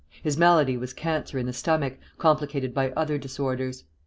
His malady was cancer in the stomach, complicated by other disorders.